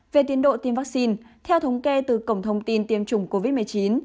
về tiến độ tiêm vaccine theo thống kê từ cổng thông tin tiêm chủng covid một mươi chín